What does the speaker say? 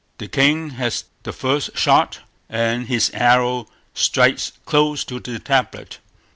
The king has the first shot, and his arrow strikes close to the tablet.